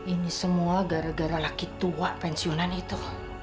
ini semua gara gara laki tua pensiunan itu